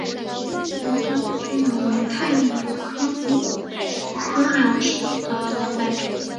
长嘴捕蛛鸟为太阳鸟科捕蛛鸟属的鸟类。